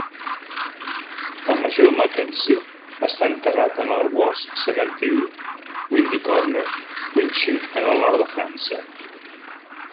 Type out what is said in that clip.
El Major Mackenzie està enterrat en el Guards Cemetery, Windy Corner, Cuinchy, en el nord de França.